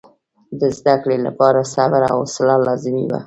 د زده کړې لپاره صبر او حوصله لازمي وه.